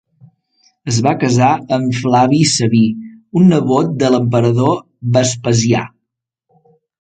Es va casar amb Flavi Sabí un nebot de l'emperador Vespasià.